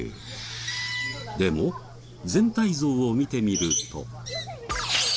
でも全体像を見てみると。